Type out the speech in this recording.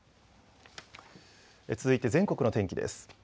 続いて全国の天気です。